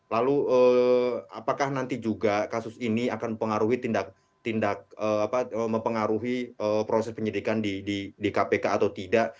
lalu apakah nanti juga kasus ini akan mempengaruhi proses penyelidikan di kpk atau tidak